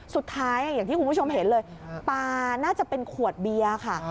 อย่างที่คุณผู้ชมเห็นเลยปลาน่าจะเป็นขวดเบียร์ค่ะ